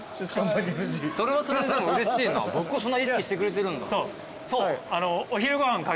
それはそれでうれしいな僕をそんな意識してくれてるんだ。